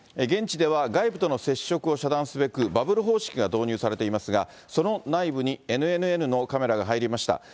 現地では外部との接触を遮断すべく、バブル方式が導入されていますが、その内部にＮＮＮのカメラが入りました。